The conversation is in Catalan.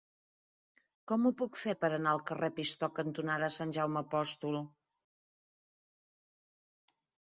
Com ho puc fer per anar al carrer Pistó cantonada Sant Jaume Apòstol?